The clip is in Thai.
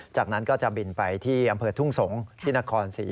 จากนั้นก็จะบินไปที่อำเภอทุ่งสงศ์ที่นครศรี